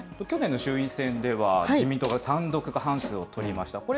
去年の衆院選では自民党が単独過半数を取りました。